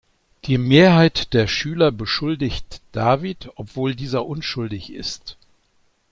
Die Mehrheit der Schüler beschuldigt David, obwohl dieser unschuldig ist.